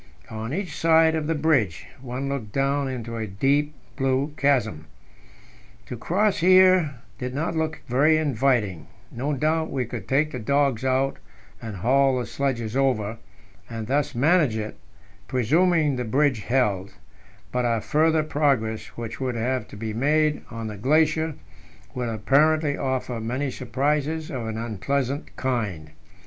On each side of the bridge, one looked down into a deep blue chasm. To cross here did not look very inviting; no doubt we could take the dogs out and haul the sledges over, and thus manage it presuming the bridge held but our further progress, which would have to be made on the glacier, would apparently offer many surprises of an unpleasant kind.